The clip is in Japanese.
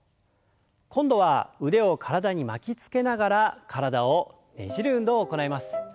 今度は腕を体に巻きつけながら体をねじる運動を行います。